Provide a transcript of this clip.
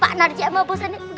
pak narji sama bos aneh udah mati